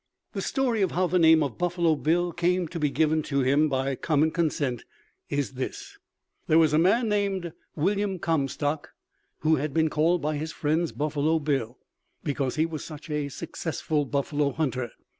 The story of how the name of Buffalo Bill came to be given to him by common consent is this: There was a man named William Comstock who had been called by his friends "Buffalo Bill" because he was such a successful buffalo hunter.